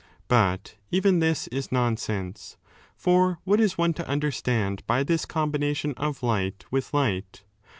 But even this is nonsense. For what is one to understand by this combination of light with light